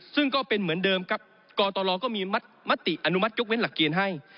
ซึ่งก็เป็นเหมือนเดิมครับกตรก็มีมติอนุมัติยกเว้นหลักเกณฑ์ให้